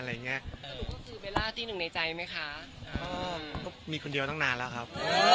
เลยไงใจไหมคะมีคนเดียวนานแล้วครับ